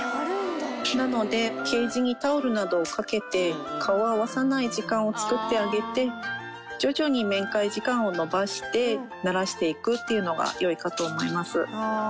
なので、ケージにタオルなどをかけて、顔を合わさない時間を作ってあげて、徐々に面会時間を延ばしてならしていくっていうのがよいかと思います。